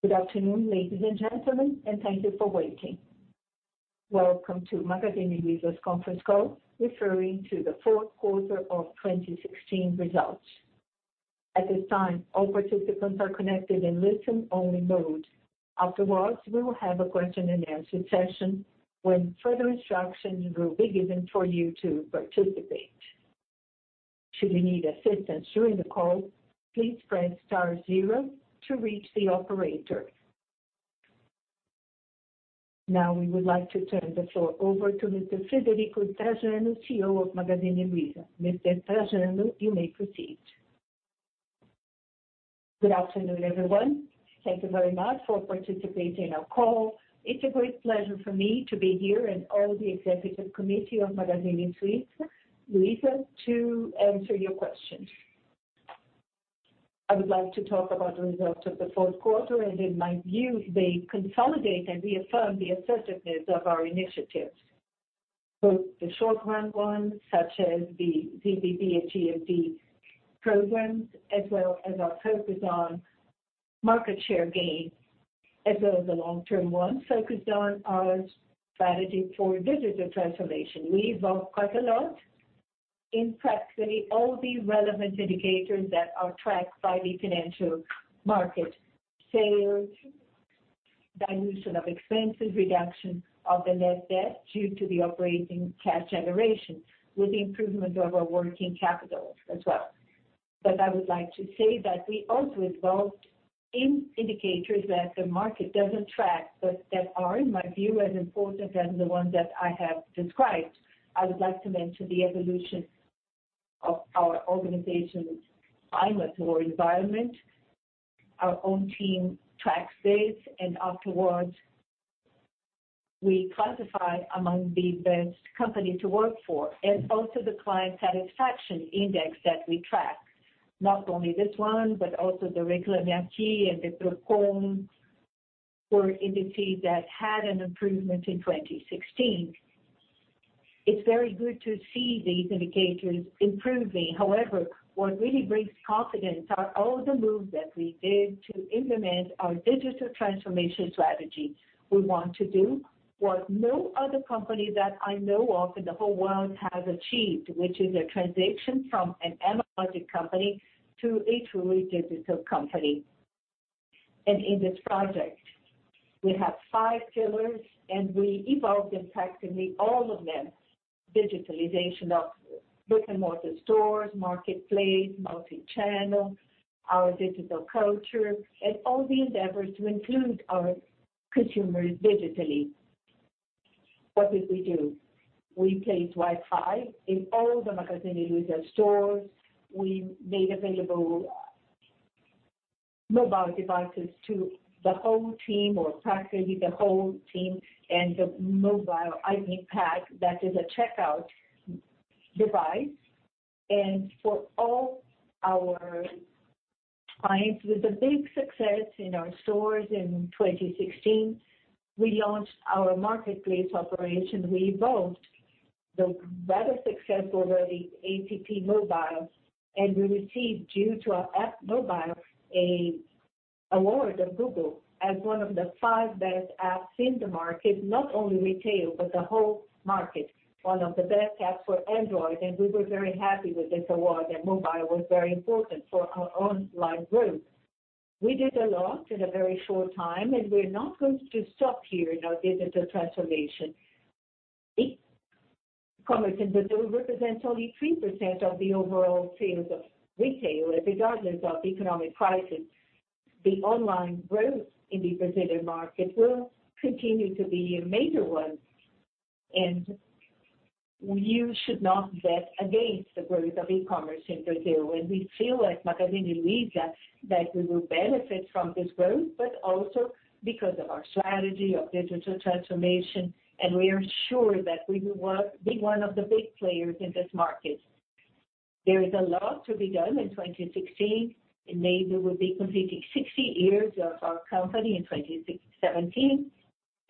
Good afternoon, ladies and gentlemen, and thank you for waiting. Welcome to Magazine Luiza's conference call referring to the fourth quarter of 2016 results. At this time, all participants are connected in listen-only mode. We will have a question-and-answer session when further instructions will be given for you to participate. Should you need assistance during the call, please press star zero to reach the operator. We would like to turn the floor over to Mr. Frederico Trajano, CEO of Magazine Luiza. Mr. Trajano, you may proceed. Good afternoon, everyone. Thank you very much for participating in our call. It's a great pleasure for me to be here and all the executive committee of Magazine Luiza to answer your questions. I would like to talk about the results of the fourth quarter, in my view, they consolidate and reaffirm the assertiveness of our initiatives. Both the short-run ones, such as the ZBB and TFD programs, as well as our focus on market share gains, as well as the long-term ones focused on our strategy for digital transformation. We evolved quite a lot in practically all the relevant indicators that are tracked by the financial market. Sales, dilution of expenses, reduction of the net debt due to the operating cash generation, with the improvement of our working capital as well. I would like to say that we also evolved in indicators that the market doesn't track, but that are, in my view, as important as the ones that I have described. I would like to mention the evolution of our organization's climate or environment. Our own team tracks this, we classify among the best companies to work for. Also the client satisfaction index that we track, not only this one, but also the Reclame Aqui and the Procon were indices that had an improvement in 2016. It's very good to see these indicators improving. What really brings confidence are all the moves that we did to implement our digital transformation strategy. We want to do what no other company that I know of in the whole world has achieved, which is a transition from an analog company to a truly digital company. In this project, we have 5 pillars, we evolved in practically all of them. Digitalization of brick-and-mortar stores, marketplace, multi-channel, our digital culture, and all the endeavors to include our consumers digitally. What did we do? We placed Wi-Fi in all the Magazine Luiza stores. We made available mobile devices to the whole team, or practically the whole team, and the mobile iPay, that is a checkout device. For all our clients, with a big success in our stores in 2016, we launched our marketplace operation. We evolved the rather successful already Magalu App, we received, due to our mobile app, an award of Google as one of the 5 best apps in the market, not only retail, but the whole market, one of the best apps for Android, we were very happy with this award. That mobile was very important for our online growth. We did a lot in a very short time, we're not going to stop here in our digital transformation. E-commerce in Brazil represents only 3% of the overall sales of retail. Regardless of economic crisis, the online growth in the Brazilian market will continue to be a major one, and you should not bet against the growth of e-commerce in Brazil. We feel at Magazine Luiza that we will benefit from this growth, but also because of our strategy of digital transformation, and we are sure that we will be one of the big players in this market. There is a lot to be done in 2016, and maybe we will be completing 60 years of our company in 2017.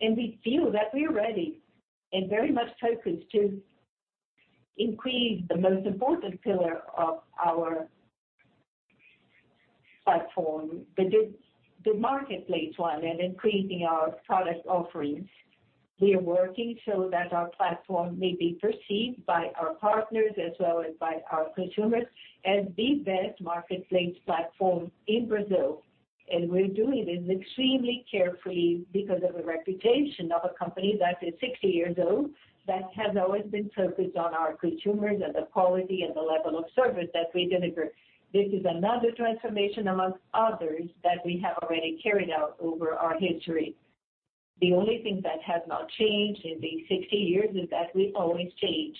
We feel that we are ready and very much focused to increase the most important pillar of our platform, the marketplace one, and increasing our product offerings. We are working so that our platform may be perceived by our partners as well as by our consumers as the best marketplace platform in Brazil. We are doing it extremely carefully because of the reputation of a company that is 60 years old, that has always been focused on our consumers and the quality and the level of service that we deliver. This is another transformation amongst others that we have already carried out over our history. The only thing that has not changed in these 60 years is that we have always changed.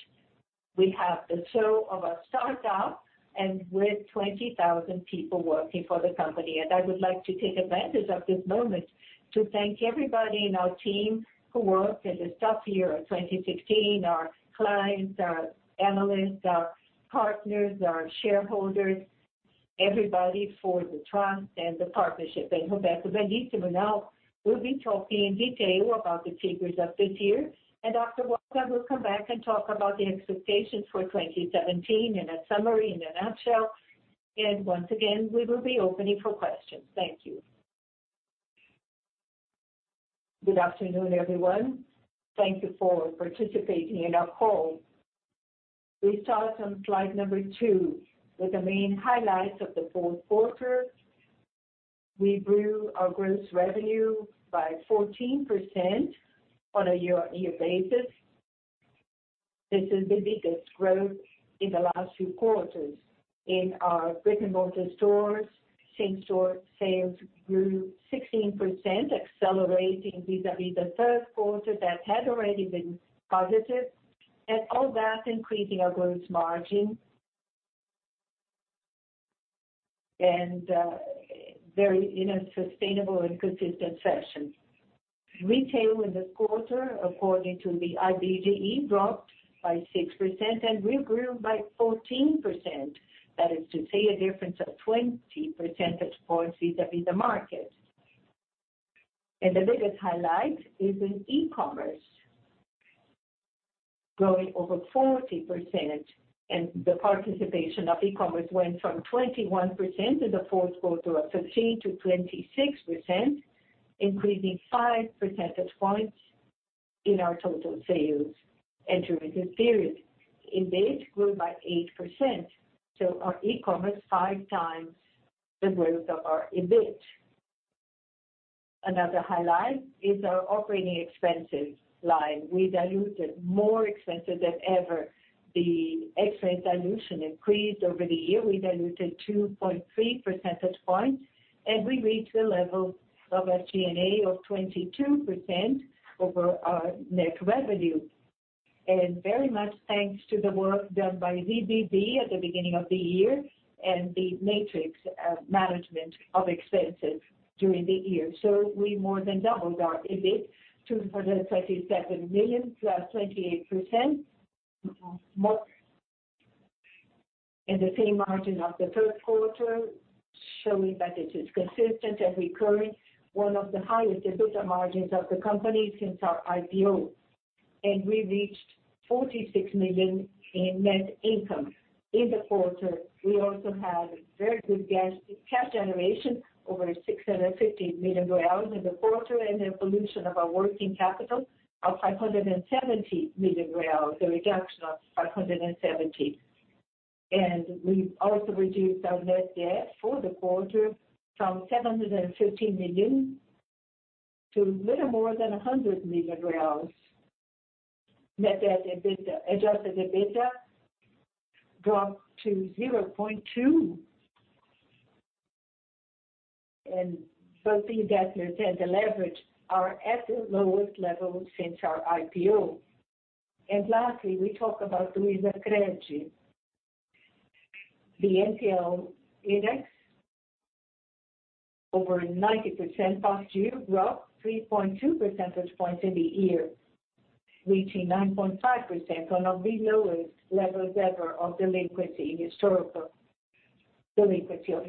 We have the soul of a startup, and we are 20,000 people working for the company. I would like to take advantage of this moment to thank everybody in our team who worked in this tough year of 2016, our clients, our analysts, our partners, our shareholders, everybody, for the trust and the partnership. Roberto Bellissimo now will be talking in detail about the figures of this year. Afterwards, I will come back and talk about the expectations for 2017 in a summary, in a nutshell. Once again, we will be opening for questions. Thank you. Good afternoon, everyone. Thank you for participating in our call. We start on slide number two with the main highlights of the fourth quarter. We grew our gross revenue by 14% on a year-on-year basis. This is the biggest growth in the last few quarters. In our brick-and-mortar stores, same-store sales grew 16%, accelerating vis-a-vis the third quarter that had already been positive. All that increasing our gross margin in a sustainable and consistent fashion. Retail in the quarter, according to the IBGE, dropped by 6%, and we grew by 14%. That is to say, a difference of 20 percentage points vis-a-vis the market. The biggest highlight is in e-commerce, growing over 40%, and the participation of e-commerce went from 21% in the fourth quarter of 2023 to 26%, increasing five percentage points in our total sales and during the period. EBIT grew by 8%, our e-commerce five times the growth of our EBIT. Another highlight is our operating expenses line. We diluted more expenses than ever. The expense dilution increased over the year. We diluted 2.3 percentage points, and we reached a level of SG&A of 22% over our net revenue. Very much thanks to the work done by ZBB at the beginning of the year and the matrix management of expenses during the year. We more than doubled our EBIT to 37 million, plus 28% more. The same margin of the third quarter showing that it is consistent and recurring, one of the highest EBITDA margins of the company since our IPO. We reached 46 million in net income. In the quarter, we also had very good cash generation, over 650 million in the quarter, and evolution of our working capital of 570 million, a reduction of 570. We also reduced our net debt for the quarter from 750 million to a little more than 100 million reais. Net debt to EBITDA, adjusted to EBITDA, dropped to 0.2. Both the debt net and the leverage are at the lowest level since our IPO. Lastly, we talk about Luizacred. The NPL index over 90% past due dropped 3.2 percentage points in the year, reaching 9.5%, one of the lowest levels ever of delinquency, historical delinquency of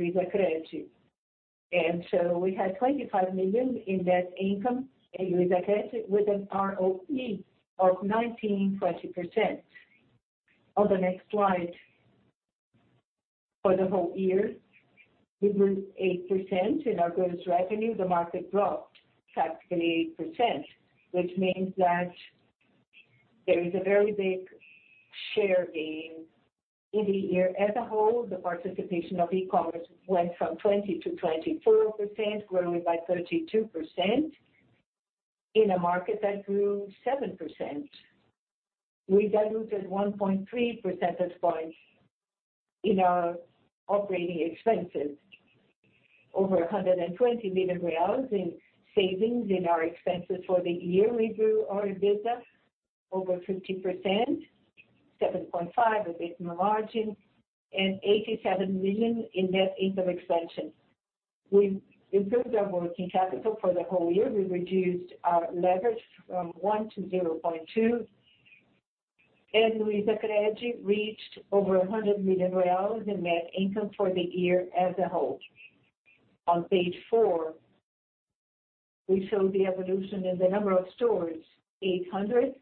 Luizacred. We had 25 million in net income in Luizacred, with an ROE of 19%-20%. On the next slide. For the whole year, we grew 8% in our gross revenue. The market dropped practically 8%, which means that there is a very big share gain. In the year as a whole, the participation of e-commerce went from 20% to 24%, growing by 32% in a market that grew 7%. We diluted 1.3 percentage points in our operating expenses, over 120 million reais in savings in our expenses for the year. We grew our EBITDA over 50%, 7.5% EBITDA margin, and 87 million in net income expansion. We improved our working capital for the whole year. We reduced our leverage from one to 0.2. LuizaCred reached over BRL 100 million in net income for the year as a whole. On page four, we show the evolution in the number of stores, 800,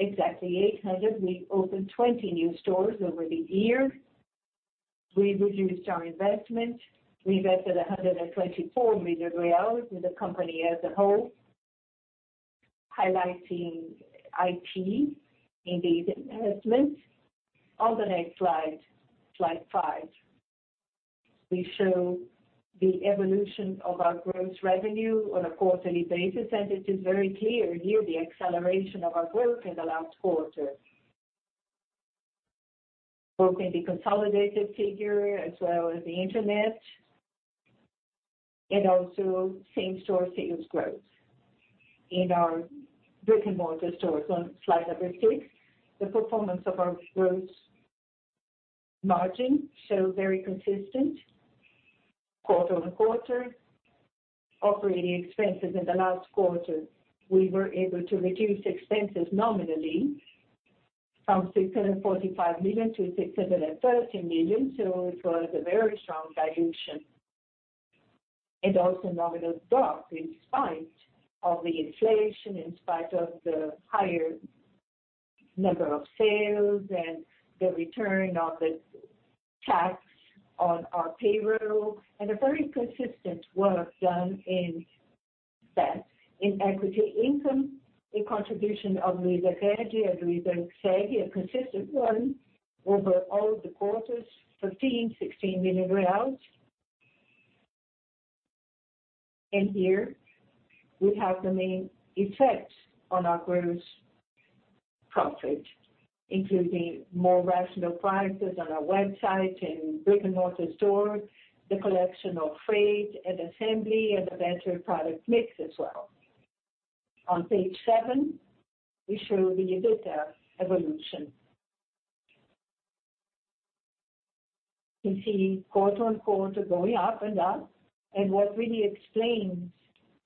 exactly 800. We opened 20 new stores over the year. We reduced our investment. We invested 124 million reais in the company as a whole, highlighting IT in these investments. On the next slide five, we show the evolution of our gross revenue on a quarterly basis, and it is very clear here the acceleration of our growth in the last quarter, both in the consolidated figure as well as the internet, and also same-store sales growth. In our brick-and-mortar stores on slide number six, the performance of our gross margin show very consistent quarter-over-quarter. Operating expenses in the last quarter, we were able to reduce expenses nominally from 645 million to 630 million, so it was a very strong dilution. Also nominal drop in spite of the inflation, in spite of the higher number of sales and the return of the tax on our payroll, and a very consistent work done in that. In equity income, the contribution of LuizaCred and Luizaseg, a consistent one over all the quarters, 15 million-16 million reais. Here we have the main effects on our gross profit, including more rational prices on our website and brick-and-mortar stores, the collection of freight and assembly, and a better product mix as well. On page seven, we show the EBITDA evolution. You can see quarter-on-quarter going up and up. What really explains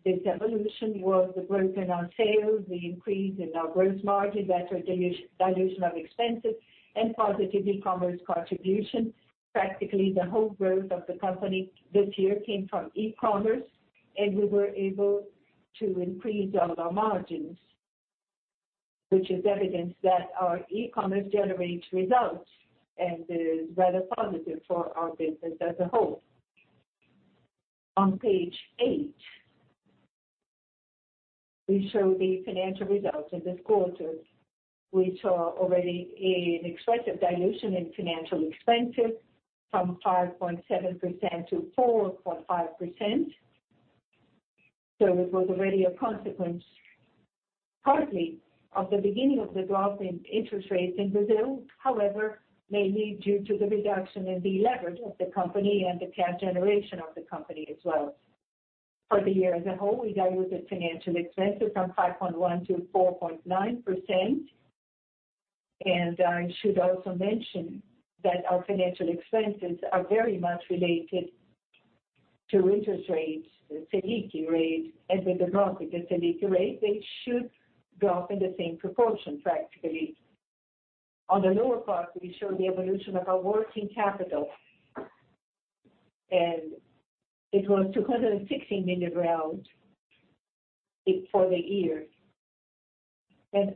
this evolution was the growth in our sales, the increase in our gross margin, better dilution of expenses, and positive e-commerce contribution. Practically the whole growth of the company this year came from e-commerce, and we were able to increase all of our margins, which is evidence that our e-commerce generates results and is rather positive for our business as a whole. On page eight, we show the financial results of this quarter. We saw already an expressive dilution in financial expenses from 5.7% to 4.5%. It was already a consequence, partly, of the beginning of the drop in interest rates in Brazil, however, mainly due to the reduction in the leverage of the company and the cash generation of the company as well. For the year as a whole, we diluted financial expenses from 5.1% to 4.9%. I should also mention that our financial expenses are very much related to interest rates, the Selic rate. With the drop in the Selic rate, they should drop in the same proportion practically. On the lower part, we show the evolution of our working capital, and it was 260 million for the year.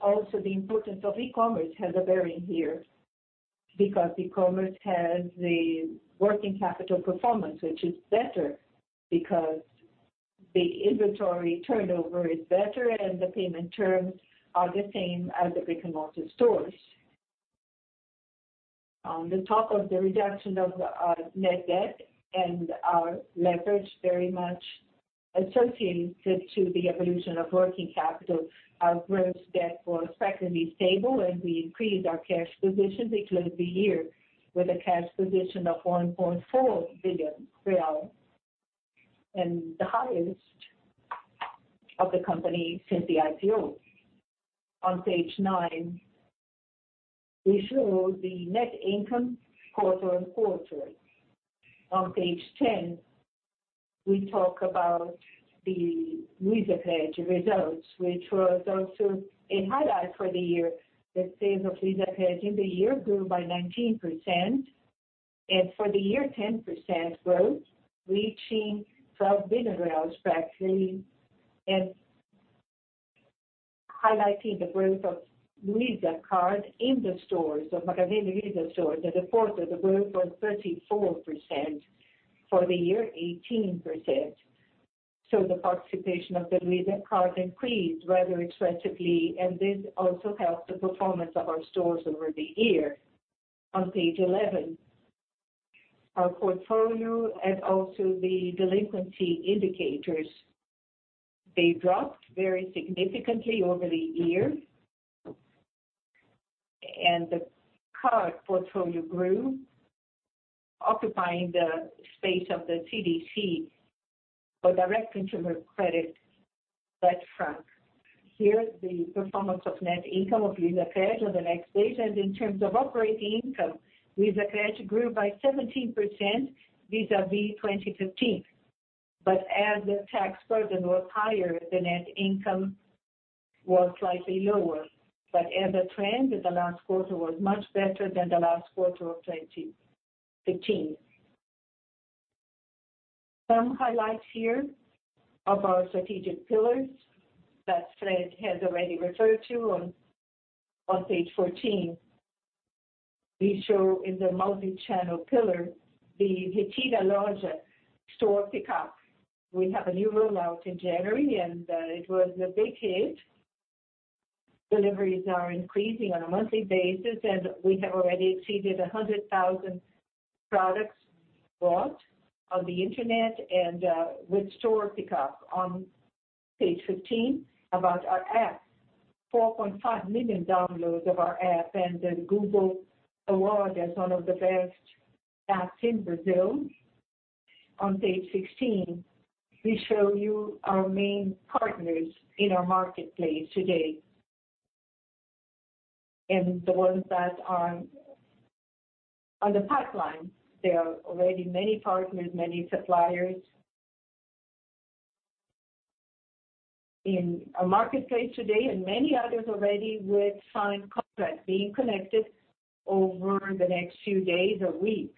Also the importance of e-commerce has a bearing here because e-commerce has the working capital performance, which is better because the inventory turnover is better and the payment terms are the same as the brick-and-mortar stores. On the top of the reduction of our net debt and our leverage very much associated to the evolution of working capital, our gross debt was practically stable and we increased our cash position. We closed the year with a cash position of 1.4 billion real, and the highest of the company since the IPO. On page nine, we show the net income quarter on quarter. On page 10, we talk about the Luizacred results, which was also a highlight for the year. The sales of Luizacred in the year grew by 19%, and for the year 10% growth, reaching BRL 12 billion practically, and highlighting the growth of Luiza Card in the stores, the Magazine Luiza stores. At the quarter, the growth was 34%, for the year 18%. The participation of the Luiza Card increased rather expressively, and this also helped the performance of our stores over the year. On page 11, our portfolio and also the delinquency indicators. They dropped very significantly over the year. The card portfolio grew, occupying the space of the CDC or direct consumer credit [but front]. Here, the performance of net income of Luizacred on the next page. In terms of operating income, Luizacred grew by 17% vis-à-vis 2015. As the tax burden was higher, the net income was slightly lower. As a trend, the last quarter was much better than the last quarter of 2015. Some highlights here of our strategic pillars that Fred has already referred to. On page 14, we show in the multi-channel pillar the Retira Loja store pickup. We have a new rollout in January, and it was a big hit. Deliveries are increasing on a monthly basis, and we have already exceeded 100,000 products bought on the internet and with store pickup. On page 15, about our app. 4.5 million downloads of our app and the Google award as one of the best apps in Brazil. On page 16, we show you our main partners in our marketplace today and the ones that are on the pipeline. There are already many partners, many suppliers in our marketplace today and many others already with signed contracts being connected over the next few days or weeks.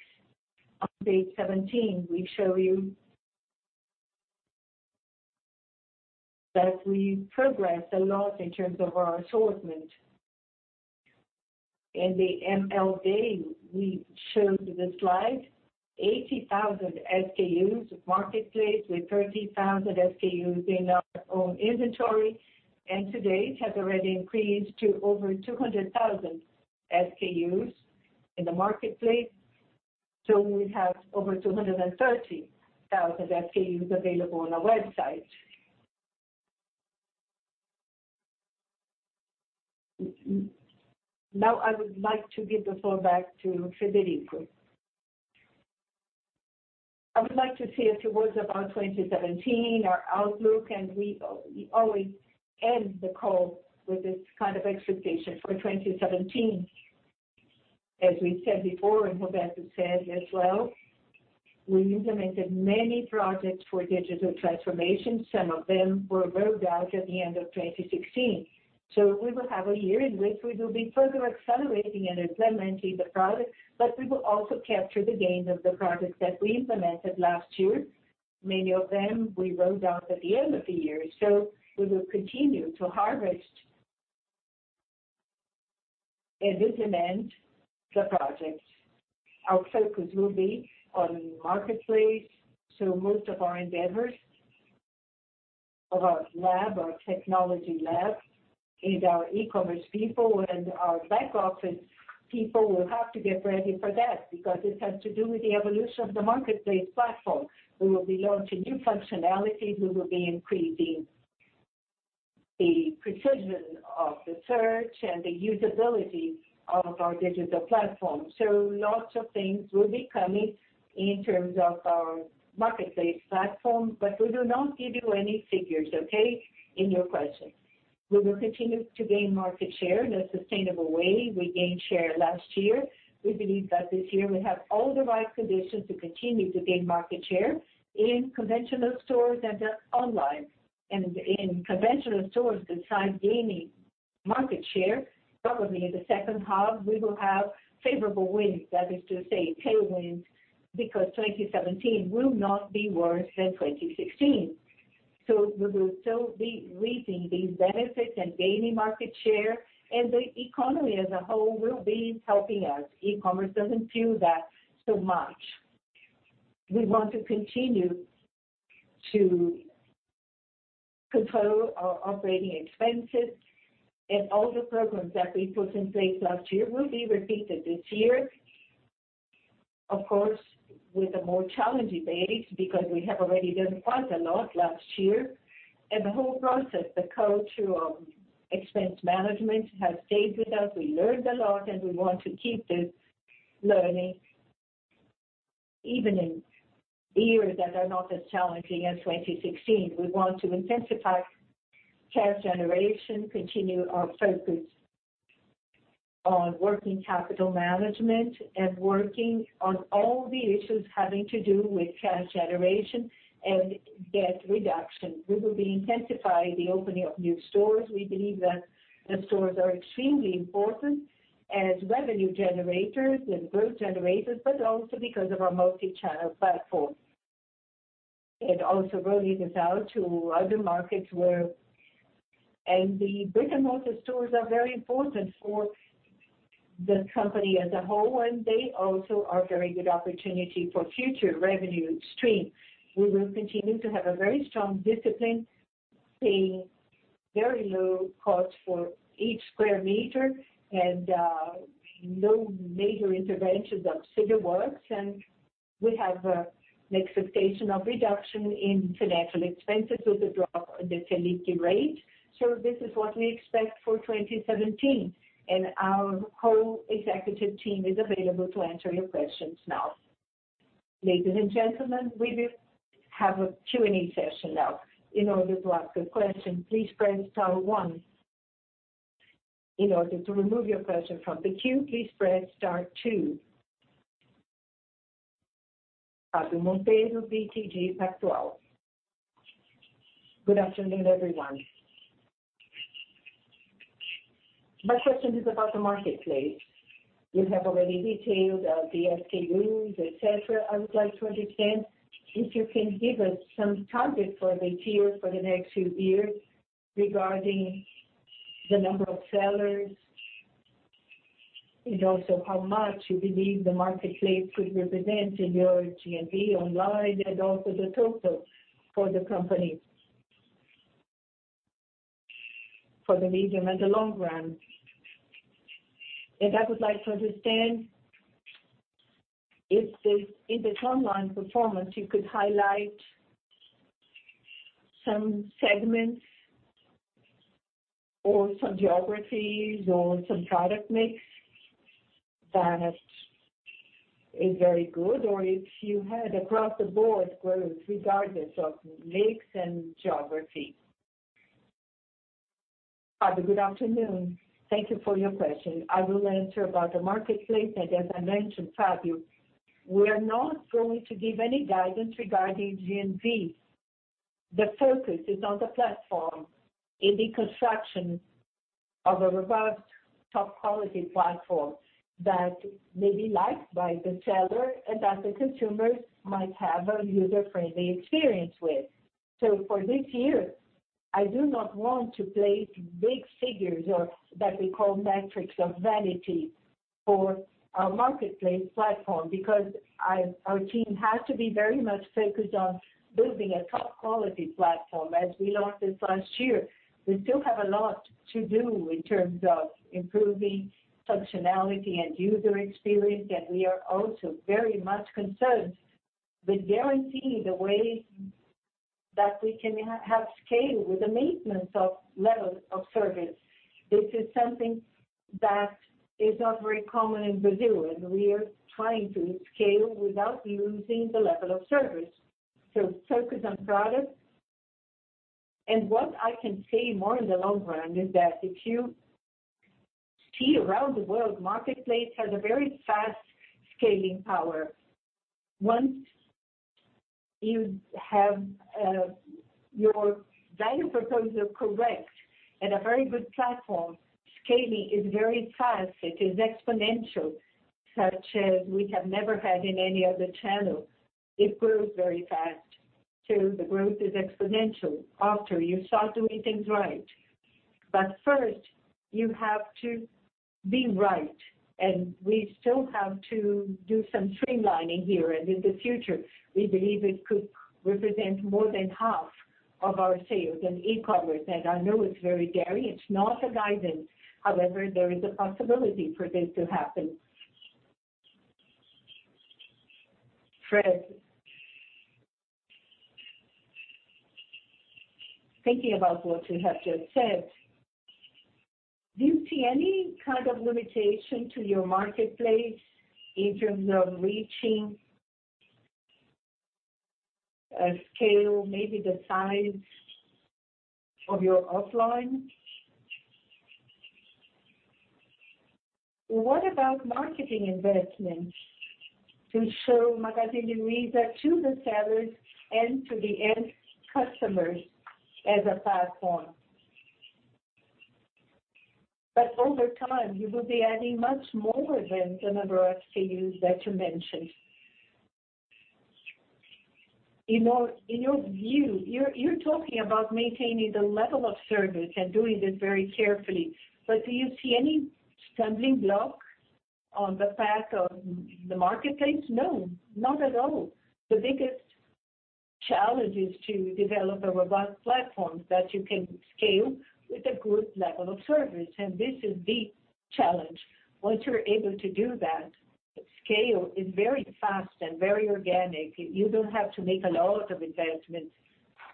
On page 17, we show you that we progressed a lot in terms of our assortment. In the ML Day, we showed the slide, 80,000 SKUs marketplace with 30,000 SKUs in our own inventory, and to date has already increased to over 200,000 SKUs in the marketplace. We have over 230,000 SKUs available on our website. I would like to give the floor back to Frederico. I would like to say a few words about 2017, our outlook, and we always end the call with this kind of expectation for 2017. We said before, and Roberto said as well, we implemented many projects for digital transformation. Some of them were rolled out at the end of 2016. We will have a year in which we will be further accelerating and implementing the projects, but we will also capture the gains of the projects that we implemented last year. Many of them we rolled out at the end of the year. We will continue to harvest and implement the projects. Our focus will be on marketplace. Most of our endeavors of our lab, our technology lab, and our e-commerce people and our back office people will have to get ready for that, because it has to do with the evolution of the marketplace platform. We will be launching new functionality. We will be increasing the precision of the search and the usability of our digital platform. Lots of things will be coming in terms of our marketplace platform, but we will not give you any figures, okay, in your question. We will continue to gain market share in a sustainable way. We gained share last year. We believe that this year we have all the right conditions to continue to gain market share in conventional stores and online. In conventional stores, besides gaining market share, probably in the second half, we will have favorable winds. That is to say, tailwinds, because 2017 will not be worse than 2016. We will still be reaping these benefits and gaining market share, and the economy as a whole will be helping us. E-commerce doesn't feel that so much. We want to continue to control our operating expenses, and all the programs that we put in place last year will be repeated this year. Of course, with a more challenging base, because we have already done quite a lot last year. The whole process, the culture of expense management, has stayed with us. We learned a lot, and we want to keep this learning even in years that are not as challenging as 2016. We want to intensify cash generation, continue our focus on working capital management, and working on all the issues having to do with cash generation and debt reduction. We will be intensifying the opening of new stores. We believe that the stores are extremely important as revenue generators and growth generators, but also because of our multi-channel platform. It also rolls us out to other markets. The brick-and-mortar stores are very important for the company as a whole, and they also are a very good opportunity for future revenue stream. We will continue to have a very strong discipline, paying very low cost for each square meter and no major interventions of civil works. We have an expectation of reduction in financial expenses with the drop in the Selic rate. This is what we expect for 2017. Our whole executive team is available to answer your questions now. Ladies and gentlemen, we will have a Q&A session now. In order to ask a question, please press star one. In order to remove your question from the queue, please press star two. Fabio Monteiro, BTG Pactual. Good afternoon, everyone. My question is about the marketplace. You have already detailed the SKUs, et cetera. I would like to understand if you can give us some target for the year, for the next few years regarding the number of sellers, and also how much you believe the marketplace could represent in your GMV online and also the total for the company for the medium and the long run. I would like to understand if this online performance, you could highlight some segments or some geographies or some product mix that is very good, or if you had across the board growth regardless of mix and geography. Fabio, good afternoon. Thank you for your question. I will answer about the marketplace. As I mentioned, Fabio, we are not going to give any guidance regarding GMV. The focus is on the platform and the construction of a robust, top-quality platform that may be liked by the seller and that the consumers might have a user-friendly experience with. For this year, I do not want to place big figures or what we call metrics of vanity for our marketplace platform, because our team has to be very much focused on building a top-quality platform. As we launched this last year, we still have a lot to do in terms of improving functionality and user experience. We are also very much concerned with guaranteeing the way that we can have scale with the maintenance of level of service. This is something that is not very common in Brazil, and we are trying to scale without losing the level of service. Focus on product. What I can say more in the long run is that if you see around the world, marketplace has a very fast scaling power. Once you have your value proposal correct and a very good platform, scaling is very fast. It is exponential, such as we have never had in any other channel. It grows very fast. The growth is exponential after you start doing things right. First, you have to be right, and we still have to do some streamlining here. In the future, we believe it could represent more than half of our sales in e-commerce. I know it's very daring. It's not a guidance. However, there is a possibility for this to happen. Fred, thinking about what you have just said, do you see any kind of limitation to your marketplace in terms of reaching a scale, maybe the size of your offline? What about marketing investments to show Magazine Luiza to the sellers and to the end customers as a platform? Over time, you will be adding much more than the number of SKUs that you mentioned. In your view, you're talking about maintaining the level of service and doing it very carefully. Do you see any stumbling block on the path of the marketplace? No, not at all. The biggest challenge is to develop a robust platform that you can scale with a good level of service. This is the challenge. Once you're able to do that, scale is very fast and very organic. You don't have to make a lot of investments.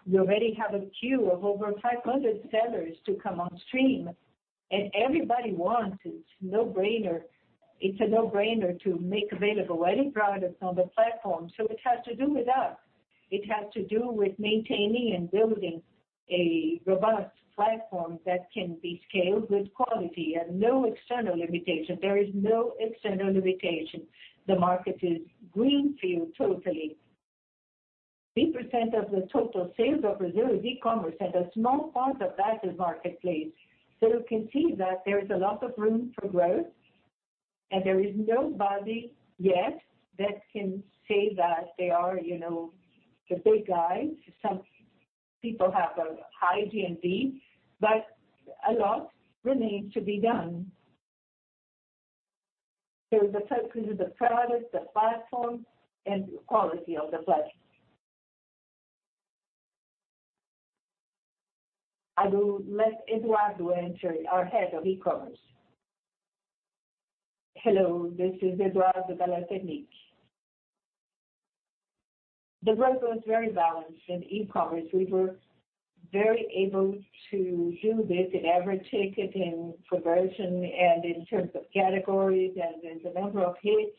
You already have a queue of over 500 sellers to come on stream, everybody wants it. It's a no-brainer to make available any products on the platform. It has to do with us. It has to do with maintaining and building a robust platform that can be scaled with quality and no external limitation. There is no external limitation. The market is green field totally. 8% of the total sales of Brazil is e-commerce, a small part of that is marketplace. You can see that there is a lot of room for growth, there is nobody yet that can say that they are the big guy. Some people have a high GMV, a lot remains to be done. The focus is the product, the platform, and quality of the platform. I will let Eduardo answer, our head of e-commerce. Hello, this is Eduardo Galanternick. The growth was very balanced in e-commerce. We were very able to do this in average ticket, in conversion, and in terms of categories and in the number of hits,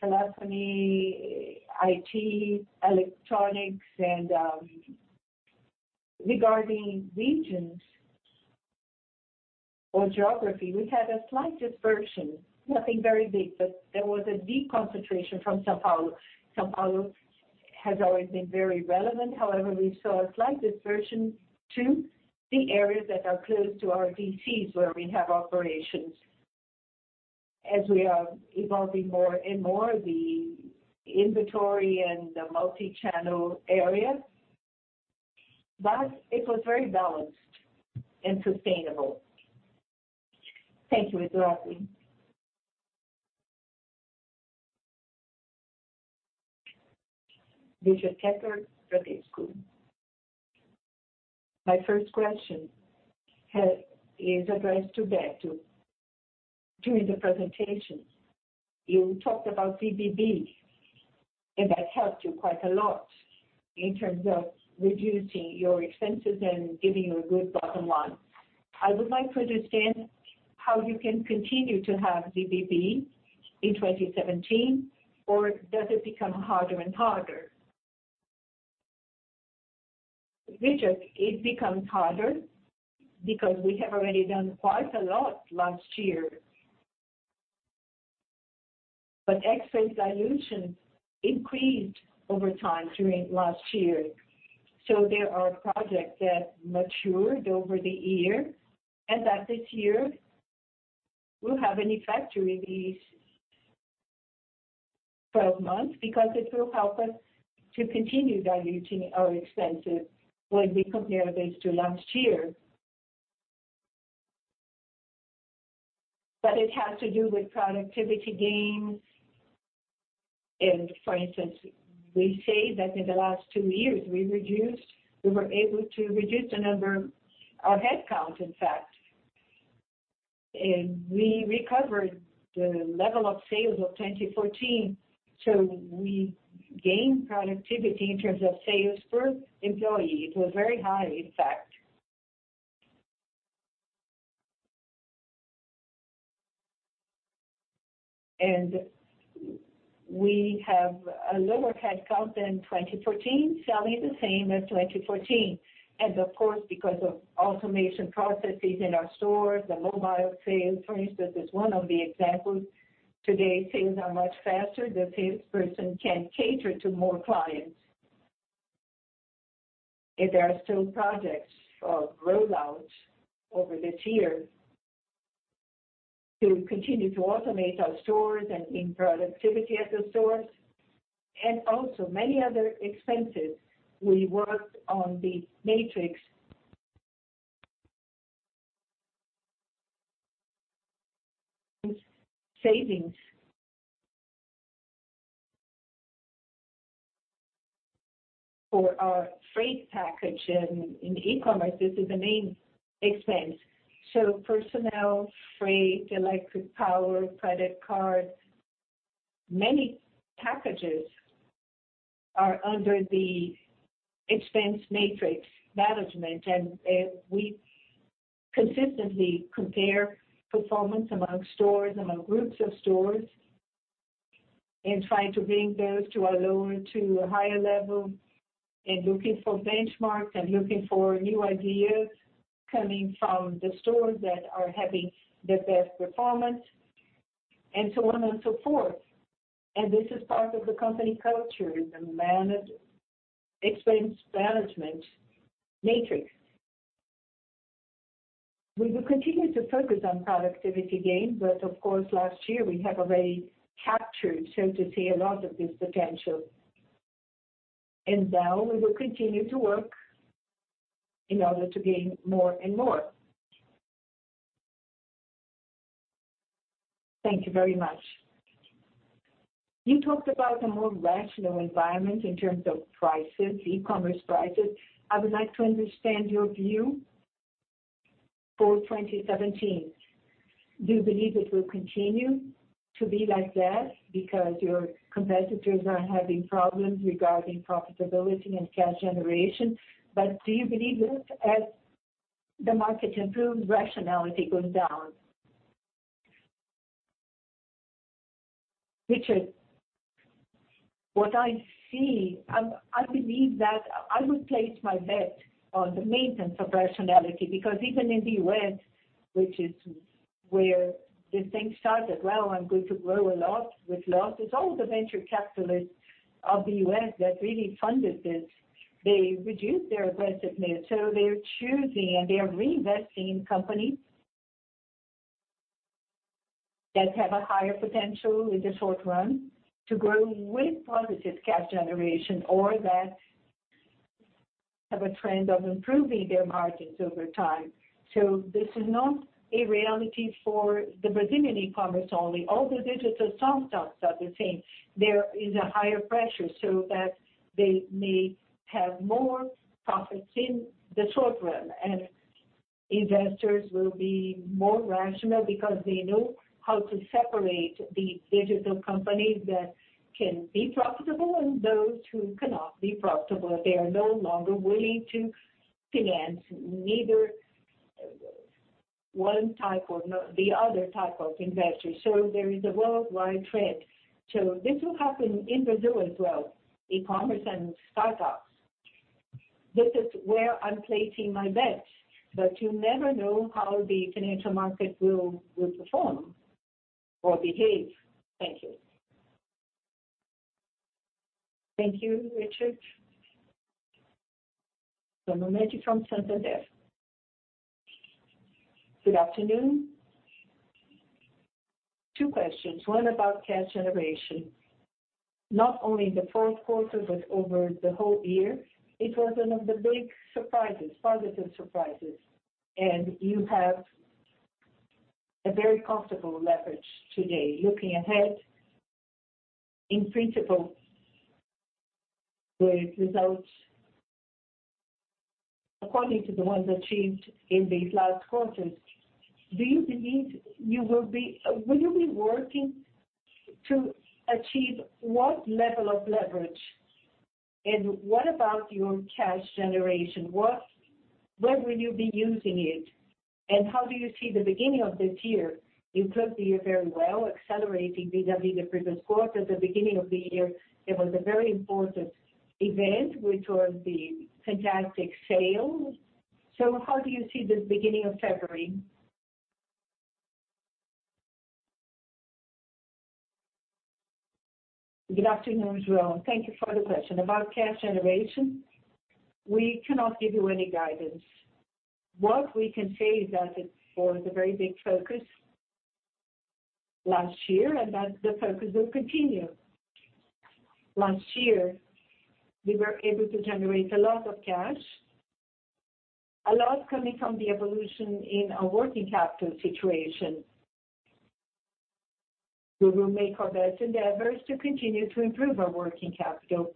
telephony, IT, electronics. Regarding regions or geography, we had a slight dispersion, nothing very big, there was a deconcentration from São Paulo. São Paulo has always been very relevant. We saw a slight dispersion to the areas that are close to our DCs, where we have operations, as we are evolving more and more the inventory and the multi-channel area. It was very balanced and sustainable. Thank you, Eduardo. Richard Cathcart, Bradesco. My first question is addressed to Beto. During the presentation, you talked about ZBB, that helped you quite a lot in terms of reducing your expenses and giving you a good bottom line. I would like to understand how you can continue to have ZBB in 2017, does it become harder and harder? Richard, it becomes harder because we have already done quite a lot last year. X-ray dilution increased over time during last year. There are projects that matured over the year, that this year will have an effect during these 12 months because it will help us to continue diluting our expenses when we compare this to last year. It has to do with productivity gains. For instance, we say that in the last two years, we were able to reduce our headcount, in fact. We recovered the level of sales of 2014. We gained productivity in terms of sales per employee. It was very high, in fact. We have a lower headcount than 2014, selling the same as 2014. Of course, because of automation processes in our stores, the mobile sales, for instance, is one of the examples. Today, things are much faster. The salesperson can cater to more clients. There are still projects of rollout over this year to continue to automate our stores and improve productivity at the stores. Also many other expenses, we worked on the matrix savings. For our freight package and in e-commerce, this is a main expense. Personnel, freight, electric power, credit card, many packages are under the expense matrix management. We consistently compare performance among stores, among groups of stores, and try to bring those to a lower, to a higher level. Looking for benchmarks and looking for new ideas coming from the stores that are having the best performance, and so on and so forth. This is part of the company culture, the managed expense management matrix. We will continue to focus on productivity gain, but of course, last year, we have already captured, so to say, a lot of this potential. Now we will continue to work in order to gain more and more. Thank you very much. You talked about a more rational environment in terms of prices, e-commerce prices. I would like to understand your view for 2017. Do you believe it will continue to be like that because your competitors are having problems regarding profitability and cash generation? Do you believe that as the market improves, rationality goes down? Richard, what I see, I believe that I would place my bet on the maintenance of rationality, because even in the U.S., which is where this thing started, "Well, I'm going to grow a lot with loss." It's all the venture capitalists of the U.S. that really funded this. They reduced their aggressiveness. They're choosing and they are reinvesting in companies that have a higher potential in the short run to grow with positive cash generation, or that have a trend of improving their margins over time. This is not a reality for the Brazilian e-commerce only. All the digital stocks are the same. There is a higher pressure so that they may have more profits in the short run. Investors will be more rational because they know how to separate the digital companies that can be profitable and those who cannot be profitable. They are no longer willing to finance neither one type or the other type of investor. There is a worldwide trend. This will happen in Brazil as well, e-commerce and startups. This is where I'm placing my bets, but you never know how the financial market will perform or behave. Thank you. Thank you, Richard. Mamede from Santander. Good afternoon. Two questions, one about cash generation. Not only the fourth quarter, but over the whole year, it was one of the big surprises, positive surprises. You have a very comfortable leverage today. Looking ahead, in principle, with results according to the ones achieved in these last quarters, will you be working to achieve what level of leverage? What about your cash generation? Where will you be using it? How do you see the beginning of this year? You took the year very well, accelerating vis-a-vis the previous quarter. The beginning of the year, there was a very important event, which was the fantastic sales. How do you see this beginning of February? Good afternoon, João. Thank you for the question. About cash generation, we cannot give you any guidance. What we can say is that it was a very big focus last year, that the focus will continue. Last year, we were able to generate a lot of cash, a lot coming from the evolution in our working capital situation. We will make our best endeavors to continue to improve our working capital.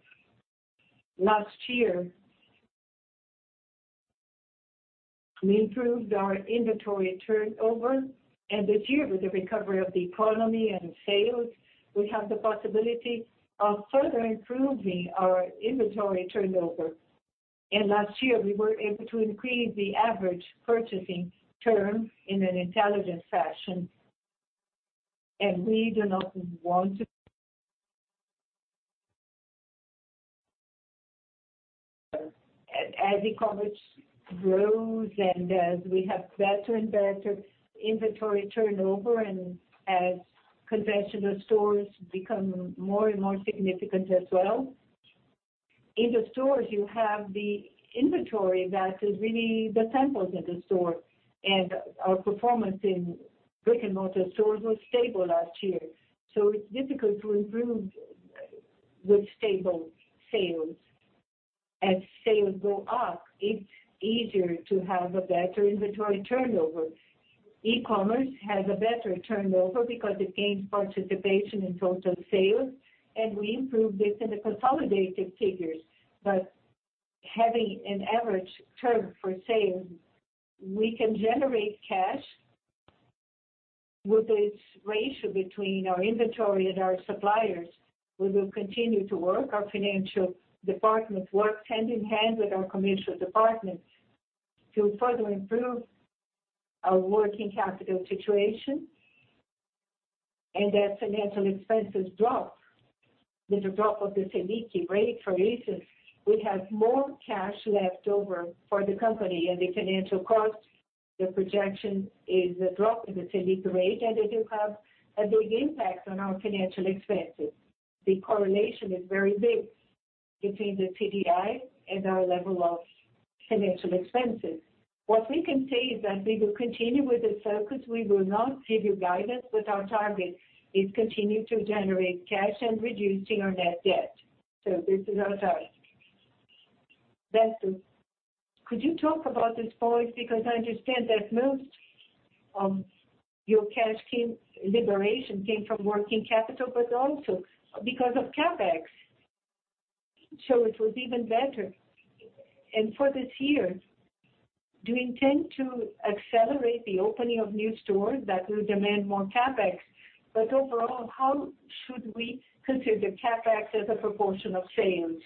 Last year, we improved our inventory turnover, this year with the recovery of the economy and sales, we have the possibility of further improving our inventory turnover. We do not want to. As e-commerce grows and as we have better and better inventory turnover, and as conventional stores become more and more significant as well. In the stores, you have the inventory that is really the samples at the store. Our performance in brick-and-mortar stores was stable last year. It's difficult to improve with stable sales. As sales go up, it's easier to have a better inventory turnover. E-commerce has a better turnover because it gains participation in total sales, we improved this in the consolidated figures. Having an average term for sales, we can generate cash with this ratio between our inventory and our suppliers. We will continue to work. Our financial department works hand in hand with our commercial department to further improve our working capital situation. As financial expenses drop with the drop of the Selic rate for reasons, we have more cash left over for the company. The financial cost, the projection is a drop in the Selic rate, and it will have a big impact on our financial expenses. The correlation is very big between the CDI and our level of financial expenses. What we can say is that we will continue with this focus. We will not give you guidance, but our target is continue to generate cash and reducing our net debt. This is our target. Beto, could you talk about this point? I understand that most of your cash liberation came from working capital, but also because of CapEx, so it was even better. For this year, do you intend to accelerate the opening of new stores that will demand more CapEx? Overall, how should we consider CapEx as a proportion of sales?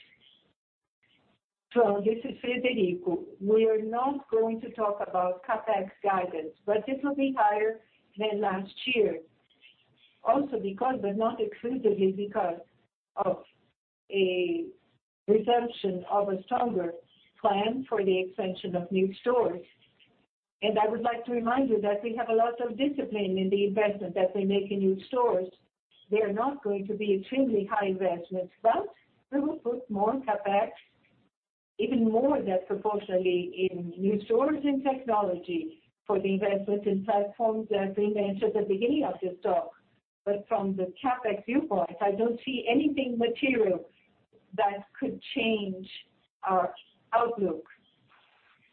João, this is Frederico. We are not going to talk about CapEx guidance, but it will be higher than last year. Also because, but not exclusively because of a resumption of a stronger plan for the expansion of new stores. I would like to remind you that we have a lot of discipline in the investment that we make in new stores. They are not going to be extremely high investments, but we will put more CapEx, even more than proportionally in new stores and technology for the investments in platforms that we mentioned at the beginning of this talk. From the CapEx viewpoint, I don't see anything material that could change our outlook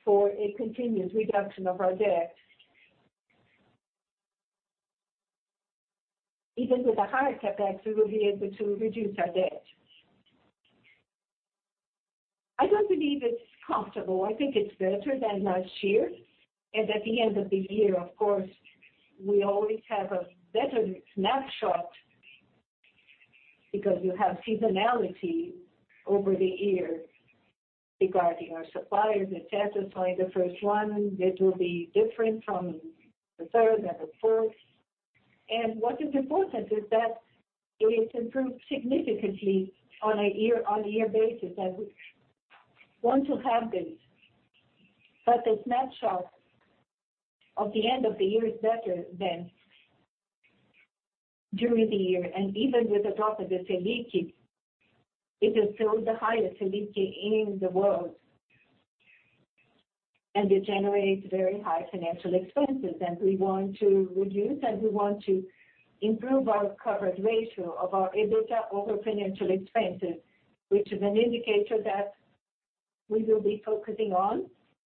for a continuous reduction of our debt. Even with a higher CapEx, we will be able to reduce our debt. I don't believe it's comfortable. I think it's better than last year. At the end of the year, of course, we always have a better snapshot because you have seasonality over the year regarding our suppliers, etc. In the first one, it will be different from the third and the fourth. What is important is that it improved significantly on a year-on-year basis, that we want to have this. The snapshot of the end of the year is better than during the year. Even with the drop of the Selic, it is still the highest Selic in the world, and it generates very high financial expenses. We want to reduce, and we want to improve our coverage ratio of our EBITDA over financial expenses, which is an indicator that we will be focusing on.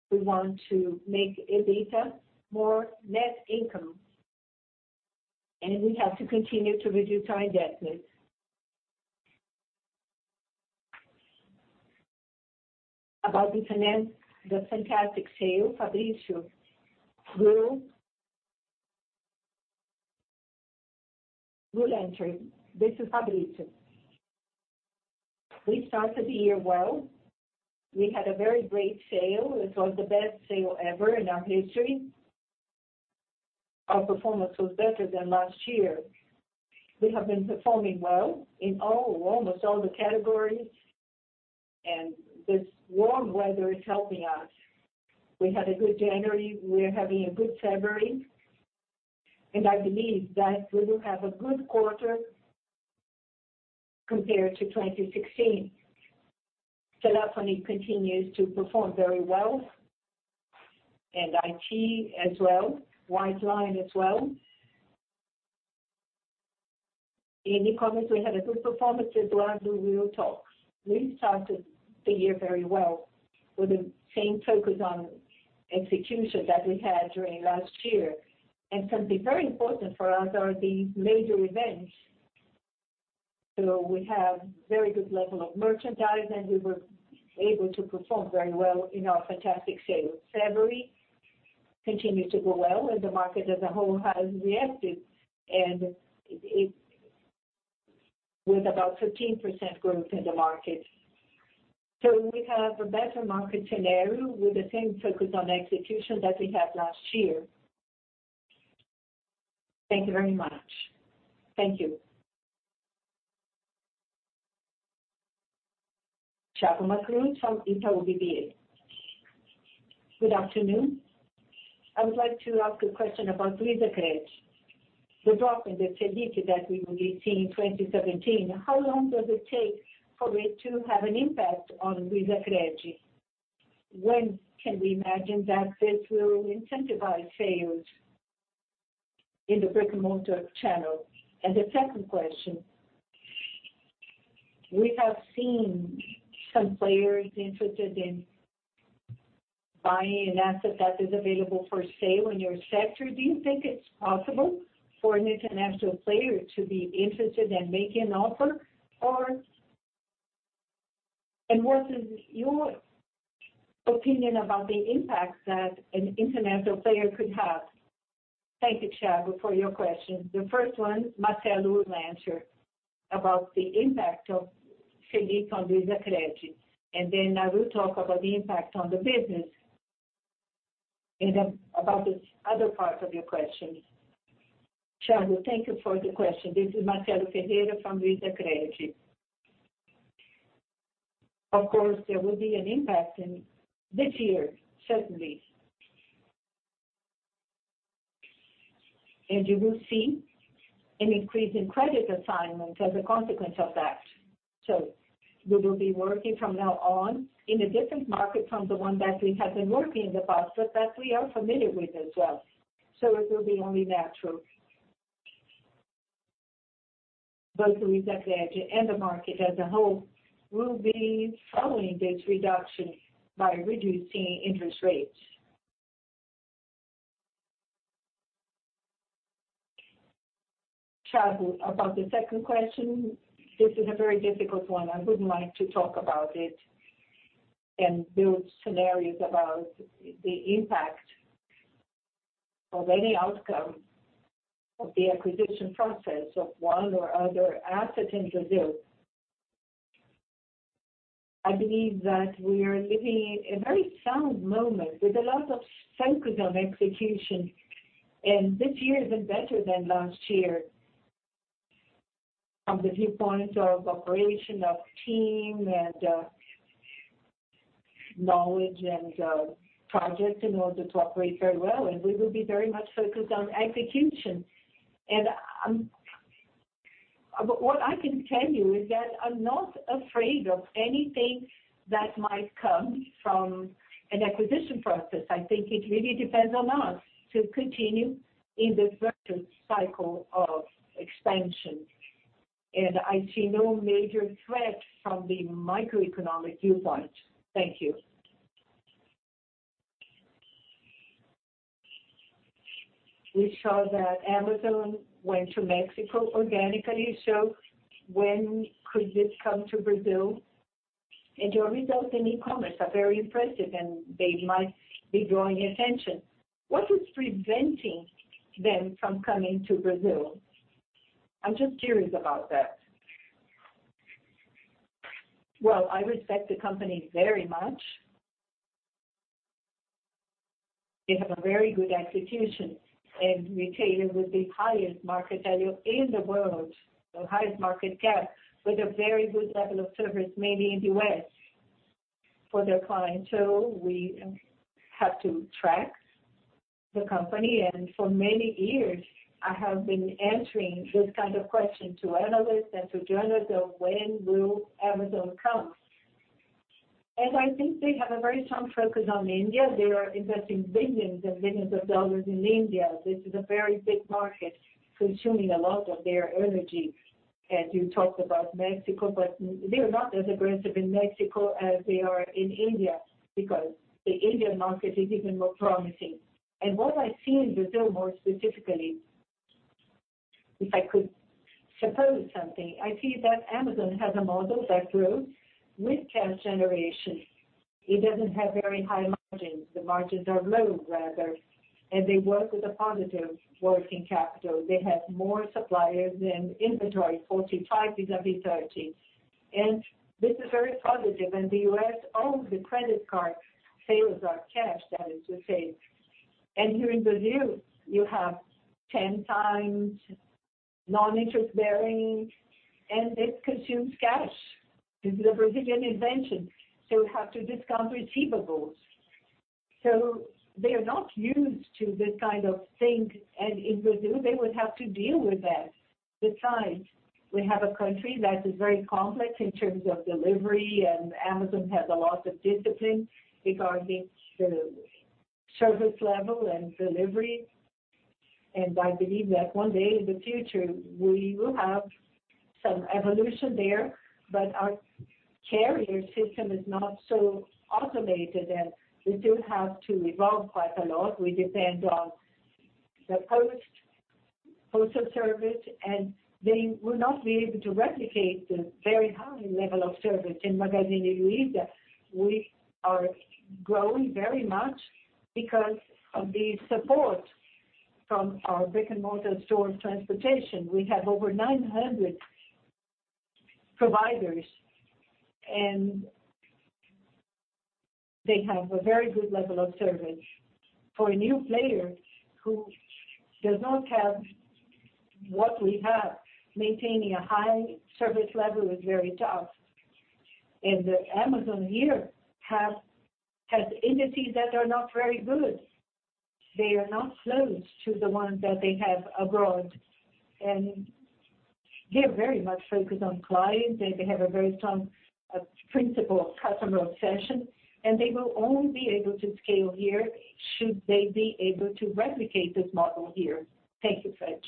We want to make EBITDA more net income, and we have to continue to reduce our indebtedness. About the fantastic sale, Fabrício. [Blue Lantern]. This is Fabrício. We started the year well. We had a very great sale. It was the best sale ever in our history. Our performance was better than last year. We have been performing well in almost all the categories, and this warm weather is helping us. We had a good January, we're having a good February, and I believe that we will have a good quarter compared to 2016. Telefônica continues to perform very well, and IT as well, White line as well. In e-commerce, we had a good performance as well as we will talk. We started the year very well with the same focus on execution that we had during last year. Something very important for us are the major events. So we have very good level of merchandise, and we were able to perform very well in our fantastic sales. February continued to go well, and the market as a whole has reacted, and it with about 13% growth in the market. So we have a better market scenario with the same focus on execution that we had last year. Thank you very much. Thank you. Thiago Macruz from Itaú BBA. Good afternoon. I would like to ask a question about Luizacred. The drop in the Selic that we will be seeing in 2017, how long does it take for it to have an impact on Luizacred? When can we imagine that this will incentivize sales in the brick-and-mortar channel? The second question, we have seen some players interested in buying an asset that is available for sale in your sector. Do you think it's possible for an international player to be interested and make an offer, and what is your opinion about the impact that an international player could have? Thank you, Thiago, for your questions. The first one, Marcelo will answer about the impact of Selic on Luizacred. Then I will talk about the impact on the business and about the other part of your question. Thiago, thank you for the question. This is Marcelo Ferreira from Luizacred. Of course, there will be an impact in this year, certainly. You will see an increase in credit assignment as a consequence of that. We will be working from now on in a different market from the one that we have been working in the past, but that we are familiar with as well. It will be only natural. Both Luizacred and the market as a whole will be following this reduction by reducing interest rates. Thiago, about the second question, this is a very difficult one. I wouldn't like to talk about it and build scenarios about the impact of any outcome of the acquisition process of one or other asset in Brazil. I believe that we are living a very sound moment with a lot of focus on execution, and this year has been better than last year from the viewpoint of operation of team and knowledge and projects in order to operate very well, and we will be very much focused on execution. What I can tell you is that I'm not afraid of anything that might come from an acquisition process. I think it really depends on us to continue in this virtuous cycle of expansion. I see no major threat from the microeconomic viewpoint. Thank you. We saw that Amazon went to Mexico organically. When could this come to Brazil? Your results in e-commerce are very impressive, and they might be drawing attention. What is preventing them from coming to Brazil? I'm just curious about that. Well, I respect the company very much. They have a very good execution and retailer with the highest market value in the world, the highest market cap, with a very good level of service, mainly in the U.S. for their clients. We have to track the company, and for many years, I have been answering this kind of question to analysts and to journalists of when will Amazon come. I think they have a very strong focus on India. They are investing billions and BRL billions in India. This is a very big market, consuming a lot of their energy. You talked about Mexico, but they are not as aggressive in Mexico as they are in India because the Indian market is even more promising. What I see in Brazil, more specifically, if I could suppose something, I see that Amazon has a model that grew with cash generation. It doesn't have very high margins. The margins are low, rather, and they work with a positive working capital. They have more suppliers than inventory, 45 to 30. This is very positive. In the U.S., all the credit card sales are cash, that is to say. Here in Brazil, you have 10 times non-interest bearing, and this consumes cash. This is a Brazilian invention. We have to discount receivables. They are not used to this kind of thing, and in Brazil, they would have to deal with that. Besides, we have a country that is very complex in terms of delivery, and Amazon has a lot of discipline regarding the service level and delivery. I believe that one day in the future, we will have some evolution there. Our carrier system is not so automated, and we still have to evolve quite a lot. We depend on the postal service, and they will not be able to replicate the very high level of service in Magazine Luiza. We are growing very much because of the support from our brick-and-mortar store transportation. We have over 900 providers, and they have a very good level of service. For a new player who does not have what we have, maintaining a high service level is very tough. The Amazon here has entities that are not very good. They are not close to the ones that they have abroad, and they are very much focused on clients. They have a very strong principle of customer obsession, and they will only be able to scale here should they be able to replicate this model here. Thank you, Fred.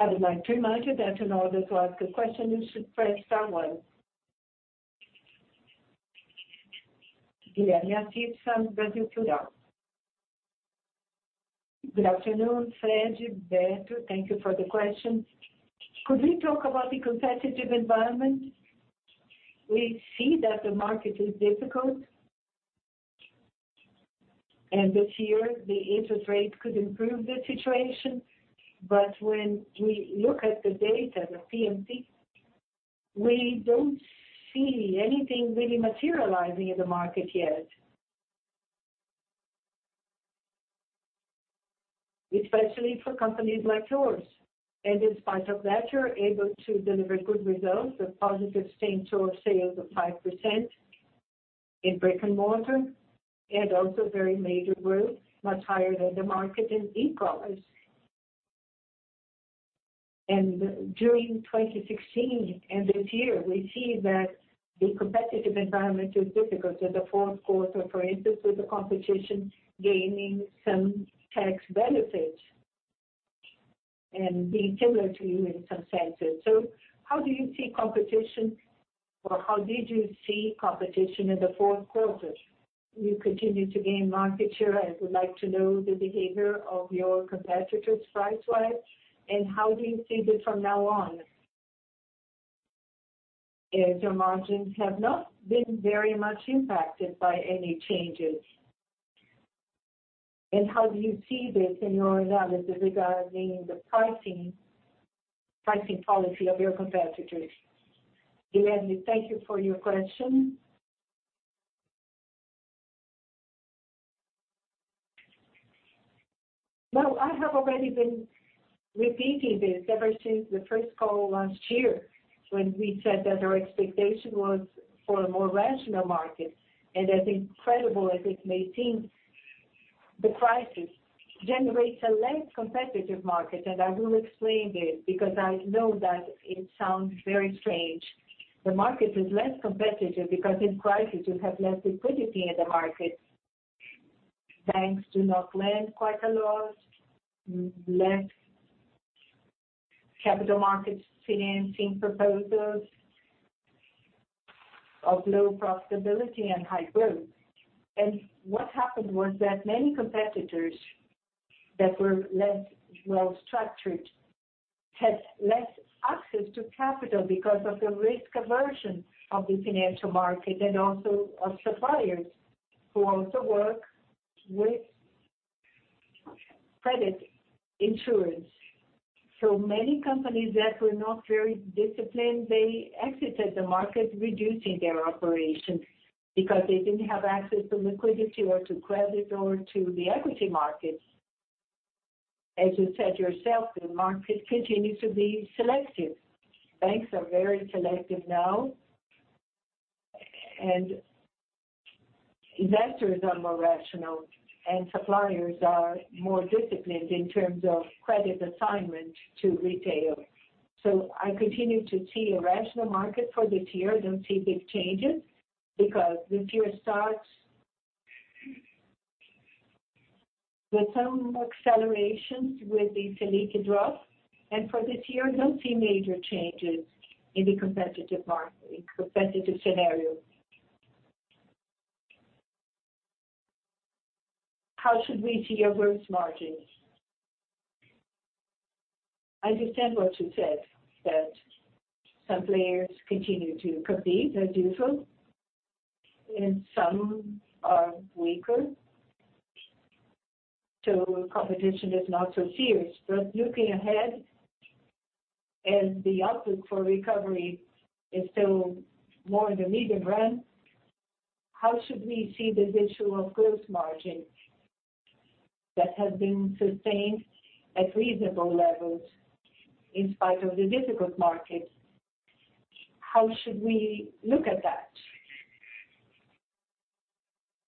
I would like to remind you that in order to ask a question, you should press star one. Irma Sgarz from Goldman Sachs. Good afternoon, Fred, Beto. Thank you for the questions. Could we talk about the competitive environment? We see that the market is difficult. This year, the interest rate could improve the situation. When we look at the data, the PMC, we don't see anything really materializing in the market yet, especially for companies like yours. In spite of that, you're able to deliver good results with positive same-store sales of 5% in brick-and-mortar, and also very major growth, much higher than the market in e-commerce. During 2016 and this year, we see that the competitive environment is difficult. In the fourth quarter, for instance, with the competition gaining some tax benefits and being similar to you in some senses. How do you see competition, or how did you see competition in the fourth quarter? You continue to gain market share. I would like to know the behavior of your competitors price-wise, and how do you see this from now on, as your margins have not been very much impacted by any changes. How do you see this in your analysis regarding the pricing policy of your competitors? Irma Sgarz, thank you for your question. Well, I have already been repeating this ever since the first call last year, when we said that our expectation was for a more rational market. As incredible as it may seem, the crisis generates a less competitive market, and I will explain this because I know that it sounds very strange. The market is less competitive because in crisis, you have less liquidity in the market. Banks do not lend quite a lot, less capital markets financing proposals of low profitability and high growth. What happened was that many competitors that were less well-structured had less access to capital because of the risk aversion of the financial market and also of suppliers who also work with credit insurance. Many companies that were not very disciplined, they exited the market, reducing their operation because they didn't have access to liquidity or to credit or to the equity markets. As you said yourself, the market continues to be selective. Banks are very selective now, and investors are more rational, and suppliers are more disciplined in terms of credit assignment to retail. I continue to see a rational market for this year. I don't see big changes because this year starts with some accelerations with the Selic drop. For this year, I don't see major changes in the competitive scenario. How should we see our gross margins? I understand what you said, that some players continue to compete as usual, and some are weaker. Competition is not so fierce. Looking ahead, as the outlook for recovery is still more in the medium run, how should we see the visual of gross margin that has been sustained at reasonable levels in spite of the difficult market? How should we look at that?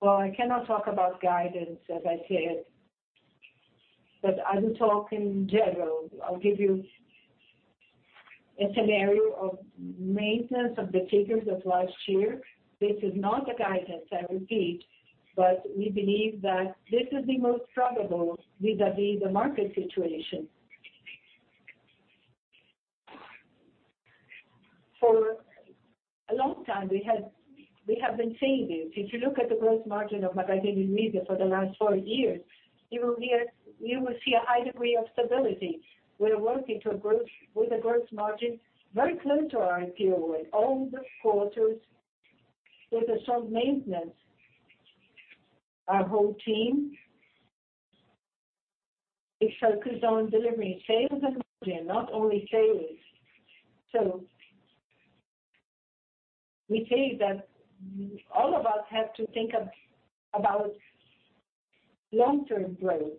Well, I cannot talk about guidance, as I said, but I will talk in general. I'll give you a scenario of maintenance of the figures of last year. This is not a guidance, I repeat, but we believe that this is the most probable vis-a-vis the market situation. For a long time, we have been saying this. If you look at the gross margin of Magazine Luiza for the last four years, you will see a high degree of stability. We're working with a gross margin very close to our IPO with all the quarters with a strong maintenance. Our whole team is focused on delivering sales and margin, not only sales. We say that all of us have to think about long-term growth.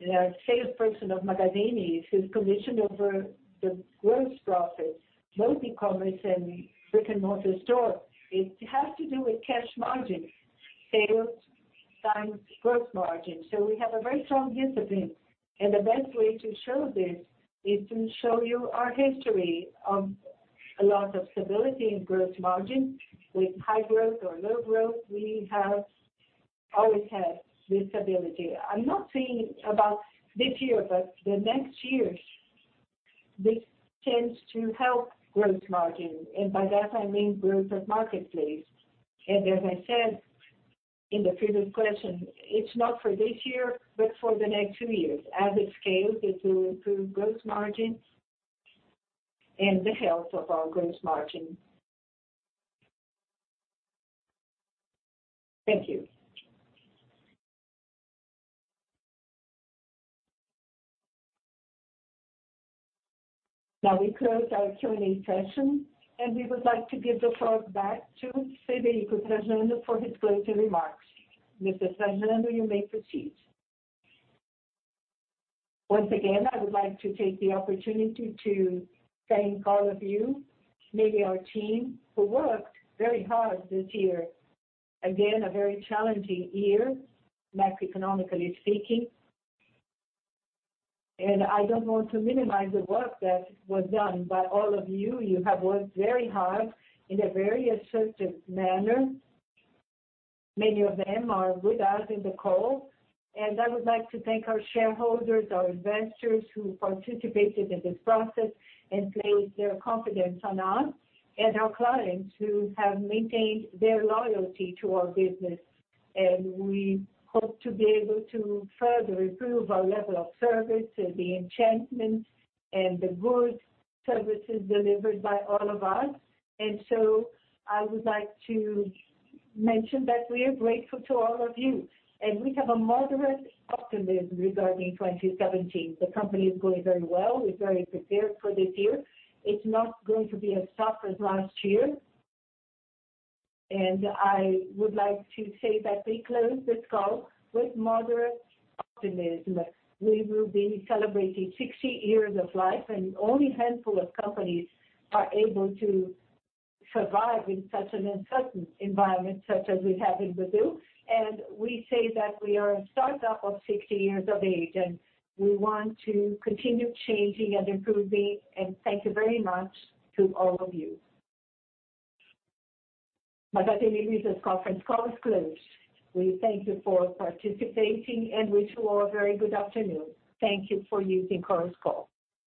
The salesperson of Magazine, his commission over the gross profit, both e-commerce and brick-and-mortar store, it has to do with cash margin, sales times gross margin. We have a very strong discipline, and the best way to show this is to show you our history of a lot of stability in gross margin. With high growth or low growth, we have always had this stability. I'm not saying about this year, but the next years, this tends to help gross margin, and by that I mean growth of marketplace. As I said in the previous question, it's not for this year, but for the next two years. As it scales, it will improve gross margin and the health of our gross margin. Thank you. Now we close our Q&A session, and we would like to give the floor back to Frederico Trajano for his closing remarks. Mr. Trajano, you may proceed. Once again, I would like to take the opportunity to thank all of you, maybe our team, who worked very hard this year. Again, a very challenging year, macroeconomically speaking. I don't want to minimize the work that was done by all of you. You have worked very hard in a very assertive manner. Many of them are with us in the call. I would like to thank our shareholders, our investors who participated in this process and placed their confidence in us, and our clients who have maintained their loyalty to our business. We hope to be able to further improve our level of service and the enhancements and the good services delivered by all of us. I would like to mention that we are grateful to all of you. We have a moderate optimism regarding 2017. The company is going very well. We're very prepared for this year. It's not going to be as tough as last year. I would like to say that we close this call with moderate optimism. We will be celebrating 60 years of life, and only a handful of companies are able to survive in such an uncertain environment such as we have in Brazil. We say that we are a startup of 60 years of age, and we want to continue changing and improving. Thank you very much to all of you. Magazine Luiza's conference call is closed. We thank you for participating and wish you all a very good afternoon. Thank you for using Chorus Call.